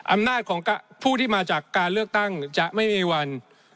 อำนาจของผู้ที่มาจากการเลือกตั้งจะไม่มีวัน